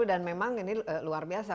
dan memang ini luar biasa